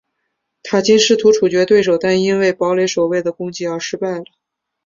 塔金试图处决对手但因为堡垒守卫的攻击而失败了。